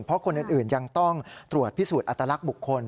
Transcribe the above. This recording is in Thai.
เพราะคนอื่นยังต้องตรวจพิสูจน์อัตลักษณ์บุคคล